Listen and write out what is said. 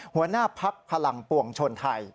หัวหน้าพักพลังปวงชนไทย